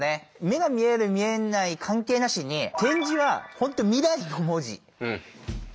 目が見える見えない関係なしに点字は本当未来の文字だと思いますわ。